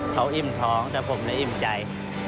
เขาอิ่มท้องแต่ผมเลยอิ่มใจ